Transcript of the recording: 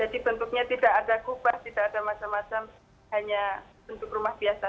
jadi bentuknya tidak ada kubah tidak ada macam macam hanya bentuk rumah biasa